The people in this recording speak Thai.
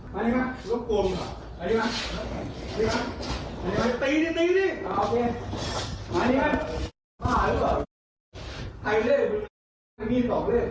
มานี่มานี่